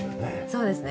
そうですね。